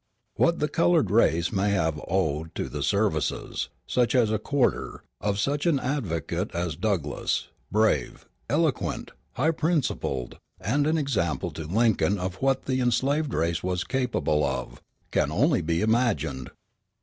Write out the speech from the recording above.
What the colored race may have owed to the services, in such a quarter, of such an advocate as Douglass, brave, eloquent, high principled, and an example to Lincoln of what the enslaved race was capable of, can only be imagined.